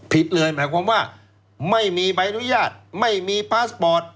ผิดเลยหมายความว่าไม่มีใบอนุญาตไม่มีพาสปอร์ต